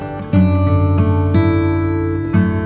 terima kasih ya mas